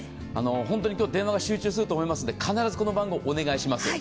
本当に今日、電話が集中すると思いますので、必ずこの番号をお願いします。